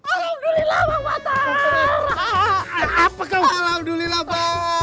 alhamdulillah bang batar apa kau alhamdulillah bang